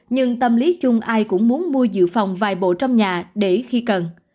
nhưng tâm lý chung ai cũng muốn mua dự phòng vài bộ trong nhà để khi cần